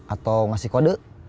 atau ngasih kode